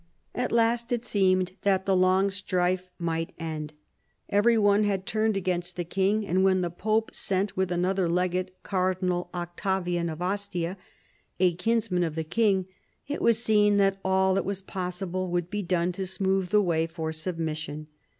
At last it seemed that the long strife might end. Every one had turned against the king, and when the pope sent, with another legate, cardinal Octavian of Ostia, a kinsman of the king, it was seen that all that was possible would be done to smooth the way for submission.